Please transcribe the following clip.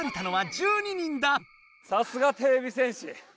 さすがてれび戦士。